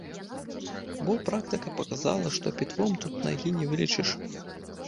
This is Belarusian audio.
Бо практыка паказала, што пітвом тут нагі не вылечыш.